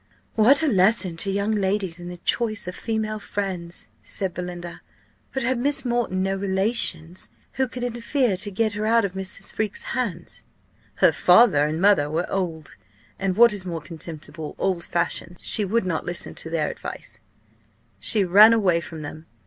"What a lesson to young ladies in the choice of female friends!" said Belinda. "But had Miss Moreton no relations, who could interfere to get her out of Mrs. Freke's hands?" "Her father and mother were old, and, what is more contemptible, old fashioned: she would not listen to their advice; she ran away from them.